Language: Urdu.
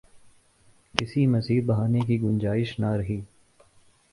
کسی مزید بہانے کی گنجائش نہ رہی۔